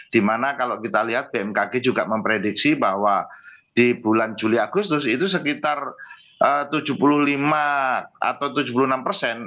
dimana kalau kita lihat bmkg juga memprediksi bahwa di bulan juli agustus itu sekitar tujuh puluh lima atau tujuh puluh enam persen